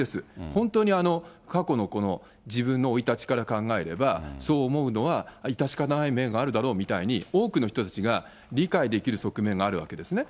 本当に過去のこの自分の生い立ちから考えれば、そう思うのはいたしかたない面があるだろうみたいに、多くの人たちが理解できる側面があるわけですね。